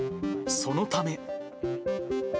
そのため。